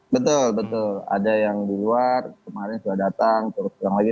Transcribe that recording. betul betul ada yang di luar kemarin sudah datang terus pulang lagi